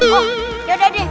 oh ya udah deh